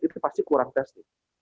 itu pasti kurang testing